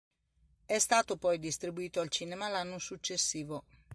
È stato poi distribuito al cinema l'anno successivo.